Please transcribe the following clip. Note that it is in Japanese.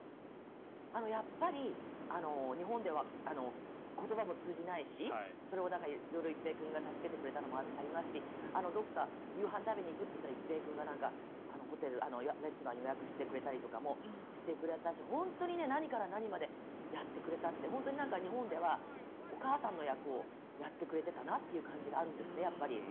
やっぱり日本では言葉も通じないしそれを色々、一平君が助けてくれたのもありますしどこか夕飯食べに行く？って言ったら一平君がレストランを予約したりとかもしてくれたし本当に何から何までやってくれて日本ではお母さんの役をやってくれてたなという感じがあるんですね。